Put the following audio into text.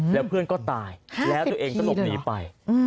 แล้วเพื่อนก็ตายห้าสิบทีแล้วตัวเองก็หลบหนีไปอืม